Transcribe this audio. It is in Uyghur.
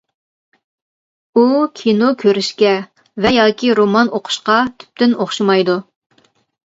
ئۇ كىنو كۆرۈشكە ۋە ياكى رومان ئوقۇشقا تۈپتىن ئوخشىمايدۇ.